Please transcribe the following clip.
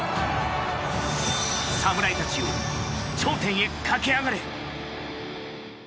侍たちよ、頂点へ駆け上がれ！